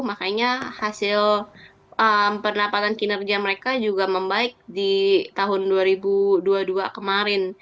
makanya hasil pendapatan kinerja mereka juga membaik di tahun dua ribu dua puluh dua kemarin